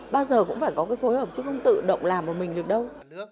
bao giờ cũng phải có cái phối hợp chứ không tự động làm một mình được đâu